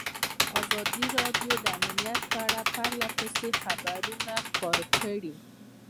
ازادي راډیو د امنیت په اړه پرله پسې خبرونه خپاره کړي.